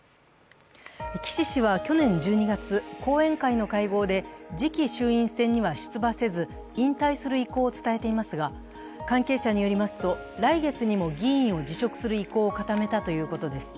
岸氏は去年１２月、後援会の会合で、次期衆院選には出馬せず、引退する意向を伝えていますが、関係者によりますと来月にも議員を辞職する意向を固めたということです。